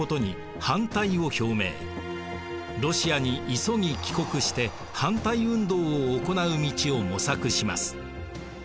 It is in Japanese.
ロシアに急ぎ帰国して反対運動を行う道を模索します。